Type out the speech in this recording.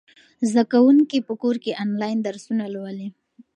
زده کوونکي په کور کې آنلاین درسونه لولي.